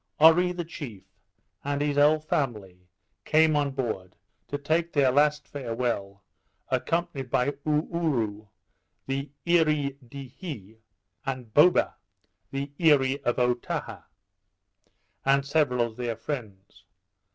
Oree the chief, and his whole family, came on board, to take their last farewell, accompanied by Oo oo rou, the Earee di hi, and Boba, the Earee of Otaha, and several of their friends.